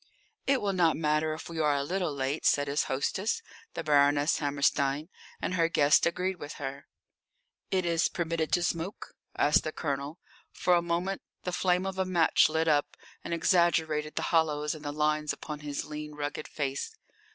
"It will not matter if we are a little late," said his hostess, the Baroness Hammerstein, and her guests agreed with her. "It is permitted to smoke?" asked the Colonel. For a moment the flame of a match lit up and exaggerated the hollows and the lines upon his lean, rugged face.